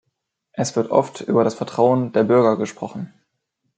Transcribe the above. Es wird oft über das Vertrauen der Bürger gesprochen.